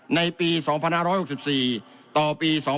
ในปี๒๕๖๔ต่อปี๒๕๖